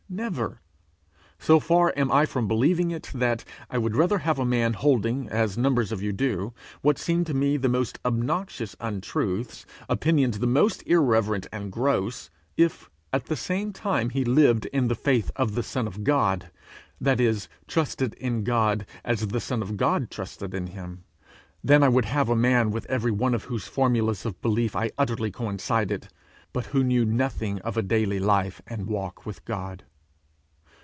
Never. So far am I from believing it, that I would rather have a man holding, as numbers of you do, what seem to me the most obnoxious untruths, opinions the most irreverent and gross, if at the same time he lived in the faith of the Son of God, that is, trusted in God as the Son of God trusted in him, than I would have a man with every one of whose formulas of belief I utterly coincided, but who knew nothing of a daily life and walk with God.